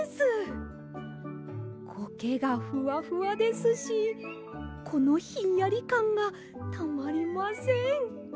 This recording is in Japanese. こけがふわふわですしこのひんやりかんがたまりません！